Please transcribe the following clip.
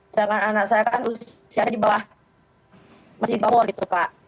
sedangkan anak saya kan usia di bawah masih tua gitu kak